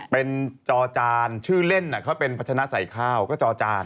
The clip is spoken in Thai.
เป็นจอจานชื่อเล่นเขาเป็นพัชนะใส่ข้าวก็จอจาน